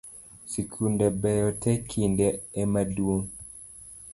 Sikunde beyo te, kinda emaduong’